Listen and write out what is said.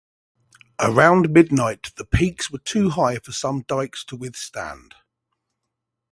Around midnight, the peaks were too high for some dykes to withstand.